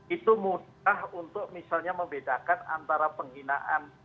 itu mudah untuk misalnya membedakan antara penghinaan